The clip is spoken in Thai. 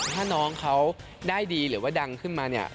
ถ้าน้องเขาได้ดีหรือว่าดังขึ้นมาเนี่ย